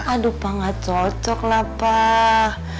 aduh pak nggak cocok lah pak